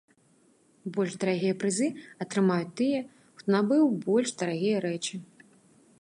Больш дарагія прызы атрымаюць тыя, хто набыў больш дарагія рэчы.